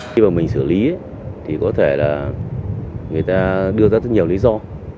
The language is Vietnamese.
khi mà mình xử lý thì có thể là người ta đưa ra rất nhiều lý do